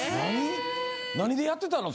何でやってたの？